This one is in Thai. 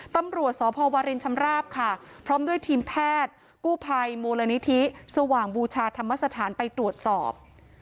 ตำรวจสพวรินชำราบค่ะพร้อมด้วยทีมแพทย์กู้ภัยมูลนิธิสว่างบูชาธรรมสถานไปตรวจสอบ